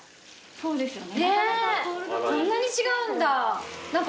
そうですね。